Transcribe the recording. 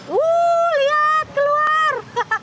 wuu lihat keluar